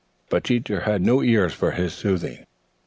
But Teacher had no ears for his soothing.